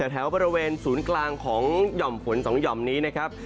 แถวบริเวณศูนย์กลางของหย่อมฝน๒ห่อมนี้นะครับ